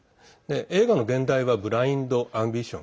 映画の原題は「ブラインド・アンビション」。